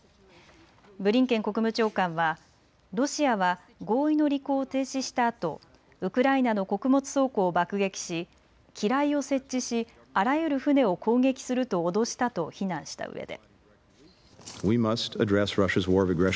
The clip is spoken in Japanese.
ブリンケン国務長官はロシアは合意の履行を停止したあとウクライナの穀物倉庫を爆撃し機雷を設置し、あらゆる船を攻撃すると脅したと非難したうえで。